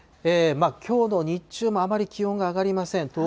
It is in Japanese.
きょうの日中もあまり気温が上がりません。